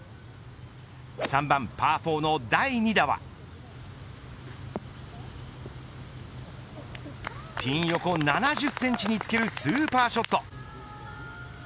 ３番パー４の第２打はピン横７０センチにつけるスーパーショット。